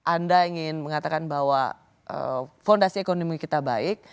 anda ingin mengatakan bahwa fondasi ekonomi kita baik